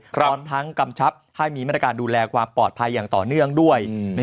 พร้อมทั้งกำชับให้มีมาตรการดูแลความปลอดภัยอย่างต่อเนื่องด้วย